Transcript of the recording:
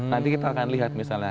nanti kita akan lihat misalnya